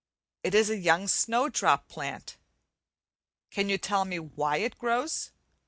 It is a young snowdrop plant. Can you tell me why it grows?